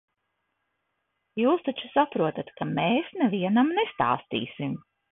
Jūs taču saprotat, ka mēs nevienam nestāstīsim.